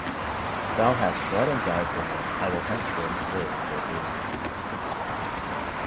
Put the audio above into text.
Thou hast bled and died for me, I will henceforth live for Thee.